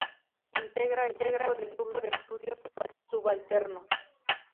Integra el Grupo de Estudios Subalternos.